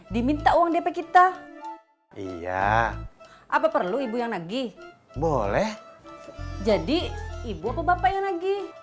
diminta uang dp kita iya apa perlu ibu yang nagih boleh jadi ibu apa bapaknya lagi